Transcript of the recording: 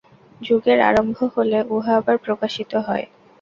যুগের আরম্ভ হলে উহা আবার প্রকাশিত হয়।